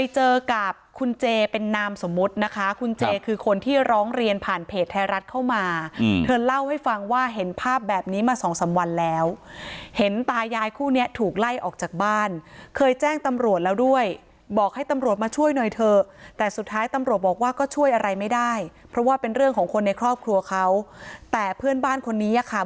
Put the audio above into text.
เจอกับคุณเจเป็นนามสมมุตินะคะคุณเจคือคนที่ร้องเรียนผ่านเพจไทยรัฐเข้ามาเธอเล่าให้ฟังว่าเห็นภาพแบบนี้มาสองสามวันแล้วเห็นตายายคู่เนี้ยถูกไล่ออกจากบ้านเคยแจ้งตำรวจแล้วด้วยบอกให้ตำรวจมาช่วยหน่อยเถอะแต่สุดท้ายตำรวจบอกว่าก็ช่วยอะไรไม่ได้เพราะว่าเป็นเรื่องของคนในครอบครัวเขาแต่เพื่อนบ้านคนนี้อ่ะค่ะ